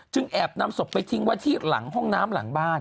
แอบนำศพไปทิ้งไว้ที่หลังห้องน้ำหลังบ้าน